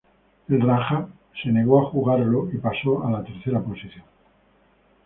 El Raja se negó a jugarlo y pasó a la tercera posición.